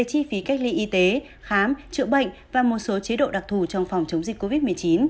chi phí cách ly y tế khám chữa bệnh và một số chế độ đặc thù trong phòng chống dịch covid một mươi chín